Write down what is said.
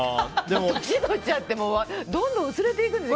年取っちゃって、どんどん記憶が薄れていくんですよ。